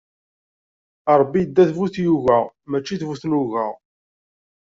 Ṛebbi idda d bu tyuga, mačči d bu tnuga.